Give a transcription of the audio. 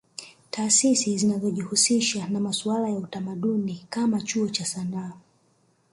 Taasisi zinazojihusisha na masuala ya utamadni kama Chuo cha Sanaa